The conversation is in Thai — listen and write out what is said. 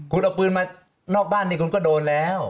คุณเอาปืนมานอกบ้านนี่คุณก็โดนแล้ว